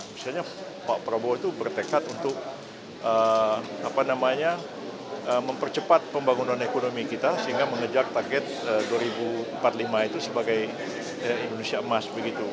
misalnya pak prabowo itu bertekad untuk mempercepat pembangunan ekonomi kita sehingga mengejar target dua ribu empat puluh lima itu sebagai indonesia emas begitu